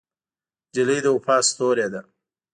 نجلۍ د وفا ستورې ده.